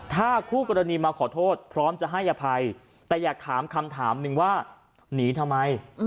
ถ้าคู่กรณีมาขอโทษพร้อมจะให้อภัยแต่อยากถามคำถามหนึ่งว่าหนีทำไม